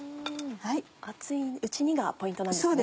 熱いうちにがポイントなんですね。